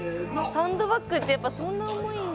サンドバッグってそんな重いんだ。